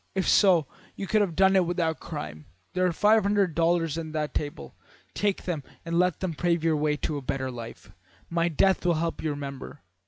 If so, you could have had it without crime. There are five hundred dollars on that table. Take them and let them pave your way to a better life. My death will help you to remember.'